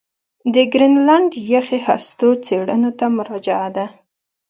د ګرینلنډ یخي هستو څېړنو ته مراجعه ده